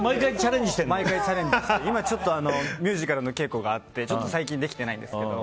毎回チャレンジして今、ちょっとミュージカルの稽古があって最近できてないですけど。